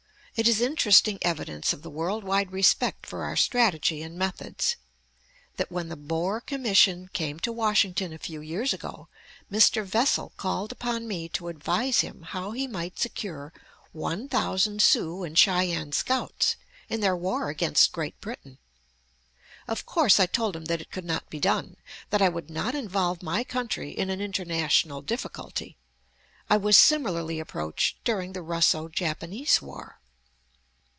It is interesting evidence of the world wide respect for our strategy and methods, that when the Boer commission came to Washington a few years ago, Mr. Vessel called upon me to advise him how he might secure one thousand Sioux and Cheyenne scouts in their war against Great Britain. Of course I told him that it could not be done: that I would not involve my country in an international difficulty. I was similarly approached during the Russo Japanese war.